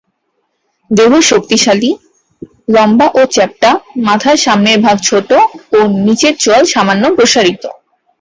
দেহ শক্তিশালী, লম্বা ও চ্যাপ্টা, মাথার সামনের ভাগ ছোট ও নিচের চোয়াল সামান্য প্রসারিত।